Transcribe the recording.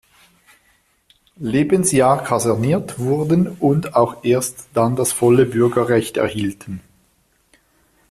Lebensjahr kaserniert wurden und auch erst dann das volle Bürgerrecht erhielten.